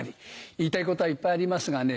言いたいことはいっぱいありますがね。